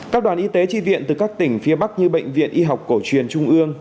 các đoàn y tế tri viện từ các tỉnh phía bắc như bệnh viện y học cổ truyền trung ương